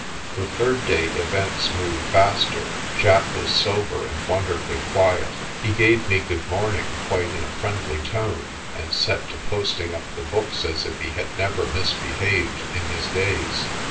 The third day events moved faster. Japp was sober and wonderfully quiet. He gave me good morning quite in a friendly tone, and set to posting up the books as if he had never misbehaved in his days.